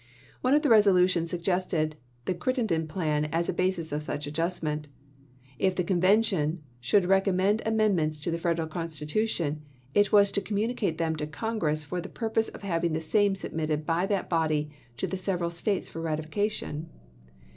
One of the resolutions suggested the Crittenden plan as a basis of such adjustment. If the convention should recommend amendments to the Federal Constitu tion, it was to communicate them to Congress for the purpose of having the same submitted by that body to the several States for ratification.